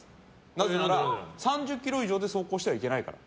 なぜなら、３０キロ以上で走行してはいけないから。